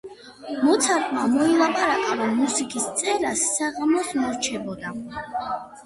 მოცარტმა მოილაპარაკა, რომ მუსიკის წერას საღამოს მორჩებოდა